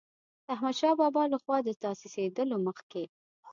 د احمدشاه بابا له خوا د تاسیسېدلو مخکې.